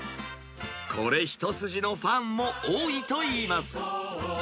これ一筋のファンも多いといいます。